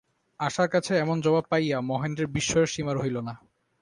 আশার কাছে এমন জবাব পাইয়া মহেন্দ্রের বিস্ময়ের সীমা রহিল না।